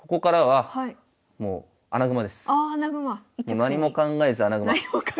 何も考えず穴熊。